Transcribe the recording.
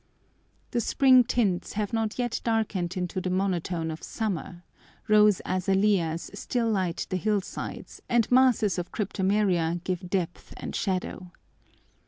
The spring tints have not yet darkened into the monotone of summer, rose azaleas still light the hillsides, and masses of cryptomeria give depth and shadow.